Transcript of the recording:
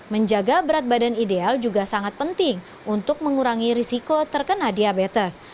menjaga berat badan ideal juga sangat penting untuk mengurangi risiko terkena diabetes